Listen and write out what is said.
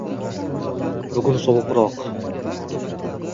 Bugun sovuqroq